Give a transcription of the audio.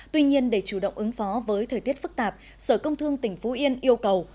tuy nhiên để chủ động ứng phó với thời tiết phức tạp sở công thương tỉnh phú yên yêu cầu